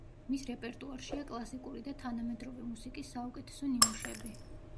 მის რეპერტუარშია კლასიკური და თანამედროვე მუსიკის საუკეთესო ნიმუშები.